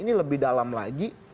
ini lebih dalam lagi